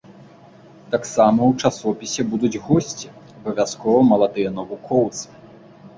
Таксама ў часопісе будуць госці, абавязкова маладыя навукоўцы.